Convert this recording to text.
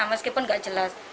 meskipun gak jelas